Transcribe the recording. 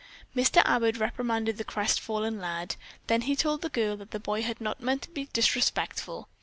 Mr. Abbott reprimanded the crestfallen lad, then he told the girl that the boy had not meant to be disrespectful.